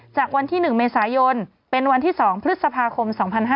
จากวันที่๑เมษายนเป็นวันที่๒พฤษภาคม๒๕๕๙